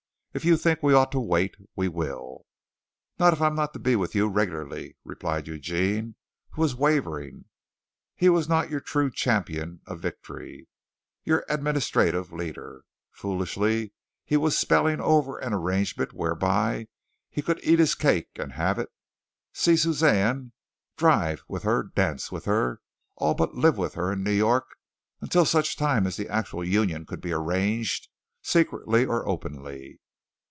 If you think we ought to wait, we will." "Not if I'm not to be with you regularly," replied Eugene, who was wavering. He was not your true champion of victory your administrative leader. Foolishly he was spelling over an arrangement whereby he could eat his cake and have it see Suzanne, drive with her, dance with her, all but live with her in New York until such time as the actual union could be arranged secretly or openly.